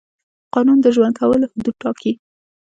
قانون د ژوند کولو حدود ټاکي.